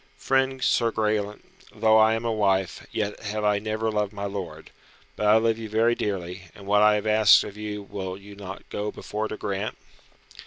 "Friend, Sir Graelent, though I am a wife, yet have I never loved my lord. But I love you very dearly, and what I have asked of you will you not go before to grant?"